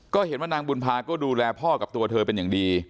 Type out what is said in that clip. ก็เห็นว่านางบุญภาก็ดูแลพ่อกับตัวเธอเป็นอย่างดี